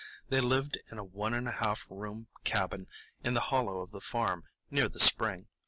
They lived in a one and a half room cabin in the hollow of the farm, near the spring.